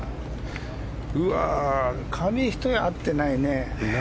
紙一重合ってないね。